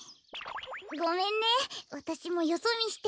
ごめんねわたしもよそみして。